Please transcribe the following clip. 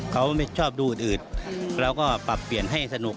เขาไม่ชอบดูอื่นเราก็ปรับเปลี่ยนให้สนุก